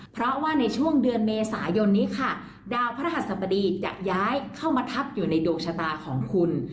เพราะว่าในช่วงเดือนเมษายนนี้ค่ะดาวพระหัสบดีจะย้ายเข้ามาทับอยู่ในดวงชะตาของคุณ